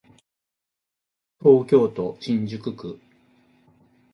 東京都新宿区